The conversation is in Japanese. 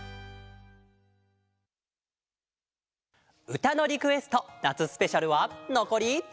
「うたのリクエストなつスペシャル」はのこり。